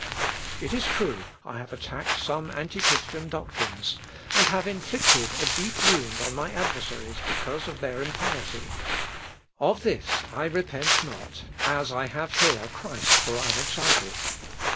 "It is true I have attacked some antichristian doctrines, and have inflicted a deep wound on my adversaries because of their impiety. Of this I repent not, as I have here Christ for an example.